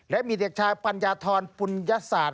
และมีเด็กชายปัญญาธรปุญญศาสตร์